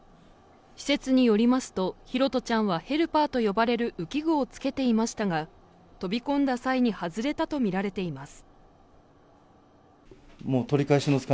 施設によりますと、拓杜ちゃんはヘルパーと呼ばれる浮き具を着けていましたが、飛び込んだ際に外れたとみられています。